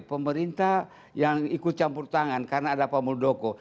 pemerintah yang ikut campur tangan karena ada pak muldoko